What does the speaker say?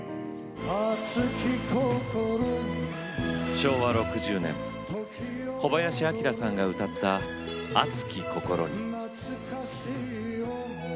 昭和６０年小林旭さんが歌った「熱き心に」。